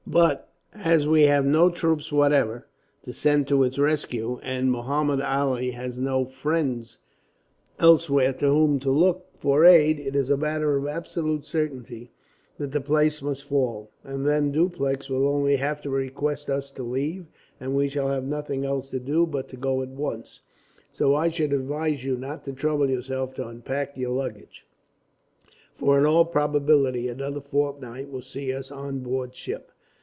But as we have no troops whatever to send to its rescue, and Muhammud Ali has no friends elsewhere to whom to look for aid, it is a matter of absolute certainty that the place must fall, and then Dupleix will only have to request us to leave, and we shall have nothing else to do but to go at once. So I should advise you not to trouble yourself to unpack your luggage, for in all probability another fortnight will see us on board ship.